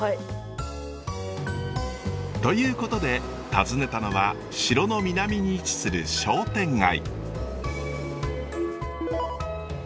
ということで訪ねたのは城の南に位置する商店街。